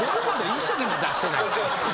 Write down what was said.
一生懸命出してないって。